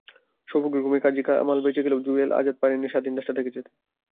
সৌভাগ্যক্রমে কাজী কামাল বেঁচে গেলেও জুয়েল, আজাদ পারেননি স্বাধীন দেশটা দেখে যেতে।